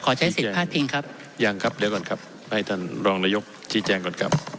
ใช้สิทธิ์พลาดพิงครับยังครับเดี๋ยวก่อนครับให้ท่านรองนายกชี้แจงก่อนครับ